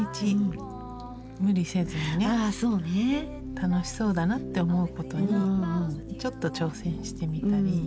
楽しそうだなって思うことにちょっと挑戦してみたり。